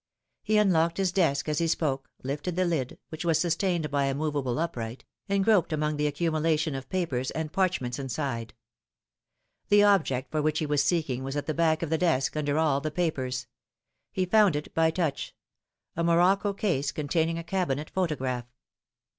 He un locked his desk as he spoke, lifted the lid, which was sustained by a movable upright, and groped among the accumulation of papers and parchments inside. The object for which he was seeking was at the back of the desk, under all the papers. He found it by touch : a morocco case containing a cabinet photograph.